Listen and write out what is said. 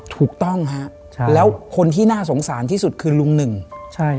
ถูกต้องฮะใช่แล้วคนที่น่าสงสารที่สุดคือลุงหนึ่งใช่